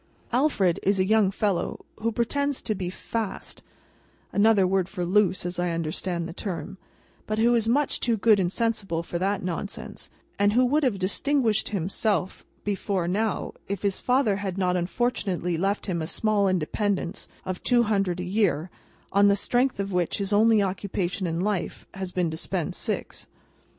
Alfred is a young fellow who pretends to be "fast" (another word for loose, as I understand the term), but who is much too good and sensible for that nonsense, and who would have distinguished himself before now, if his father had not unfortunately left him a small independence of two hundred a year, on the strength of which his only occupation in life has been to spend six.